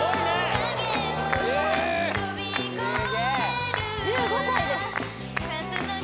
・すげえ１５歳です